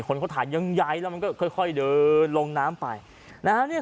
คนเขาถ่ายังใหญ่แล้วมันก็ค่อยเดินลงน้ำไป